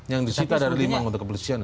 yang disiksa dari limang untuk kepolisian